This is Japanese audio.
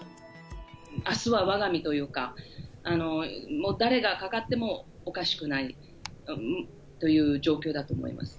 あすはわが身というか、もう誰がかかってもおかしくないという状況だと思います。